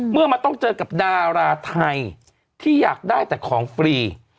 เมื่อมันต้องเจอกับดาราไทยที่อยากได้แต่ของฟรี